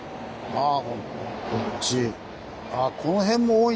ああ。